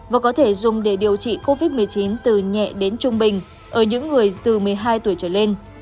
và có thể dùng để điều trị covid một mươi chín từ nhẹ đến trung bình ở những người từ một mươi hai tuổi trở lên